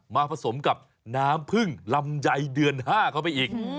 ผสมกับน้ำพึ่งลำไยเดือน๕เข้าไปอีก